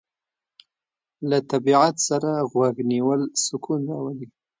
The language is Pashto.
له طبیعت سره غوږ نیول سکون راولي.